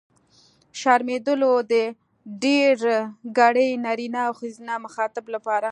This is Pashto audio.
شرمېدلو! د ډېرګړي نرينه او ښځينه مخاطب لپاره.